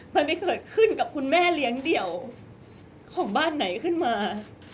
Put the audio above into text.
มันไปเกิดขึ้นกับคุณแม่เลี้ยงเดี่ยวของบ้านไหนขึ้นมา